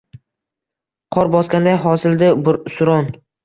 Qor bosganday bosildi suron.